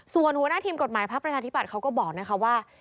ส่วนหัวหน้าทีมกฎหมายพักประชาธิบัตย์เขาก็บอกนะคะว่า